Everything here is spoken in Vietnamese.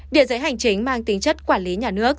địa giới hành chính mang tính chất quản lý nhà nước